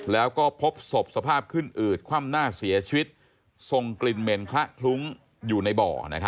แล้วก็พบศพสภาพขึ้นอืดคว่ำหน้าเสียชีวิตทรงกลิ่นเหม็นคละคลุ้งอยู่ในบ่อ